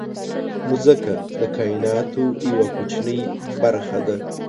مځکه د کایناتو یوه کوچنۍ برخه ده.